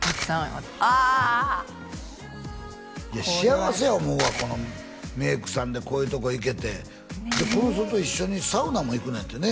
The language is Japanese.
これはいや幸せや思うわこのメイクさんでこういうとこ行けてこの人と一緒にサウナも行くねんてね